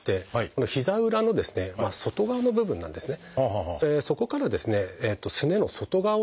この膝の裏の外側の部分なんですね。